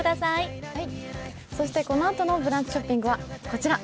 そしてこのあとのブランチショッピングはこちら。